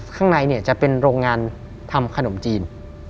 ข้างในเนี่ยจะเป็นโรงงานทำขนมจีน